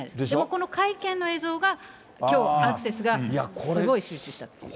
この会見の映像がきょう、アクセスがすごい集中している。